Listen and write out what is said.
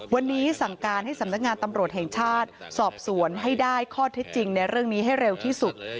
วันนี้สั่งการให้สำนักงานตำรวจแห่งชาติสอบสวนให้ได้ข้อเท็จจริงในเรื่องนี้ให้เร็วที่สุด